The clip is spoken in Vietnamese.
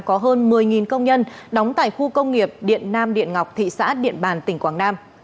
có hơn một mươi công nhân đóng tại khu công nghiệp điện nam điện ngọc thị xã điện bàn tỉnh quảng nam